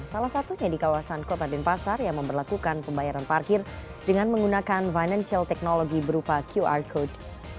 salah satunya di kawasan kota denpasar yang memperlakukan pembayaran parkir dengan menggunakan financial technology berupa qr code